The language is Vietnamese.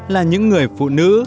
là những người phụ nữ